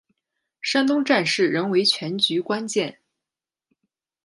山东战事仍为全局关键。